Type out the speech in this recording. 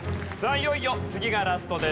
いよいよ次がラストです。